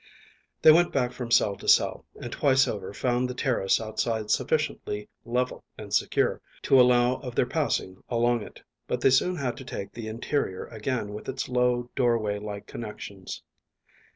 They went back from cell to cell, and twice over found the terrace outside sufficiently level and secure to allow of their passing along it, but they soon had to take to the interior again with its low doorway like connections.